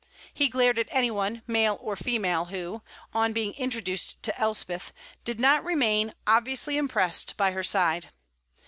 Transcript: He glared at anyone, male or female, who, on being introduced to Elspeth, did not remain, obviously impressed, by her side.